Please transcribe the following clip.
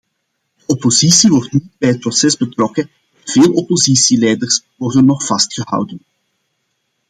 De oppositie wordt niet bij het proces betrokken en veel oppositieleiders worden nog vastgehouden.